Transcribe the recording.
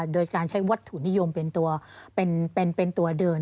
โดยการใช้วัตถุนิยมเป็นตัวเดิน